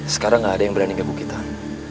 sekarang nggak ada yang berani kebukitan